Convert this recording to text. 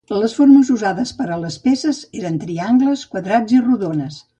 Les formes usades per a les peces eren triangles, quadrats i rodones.